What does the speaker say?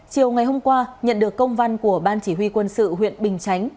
chiều ngày hôm qua nhận được công văn của ban chỉ huy quân sự huyện bình chánh